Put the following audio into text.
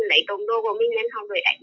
để tổng đô của mình nên họ đuổi đánh